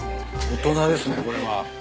大人ですねこれは。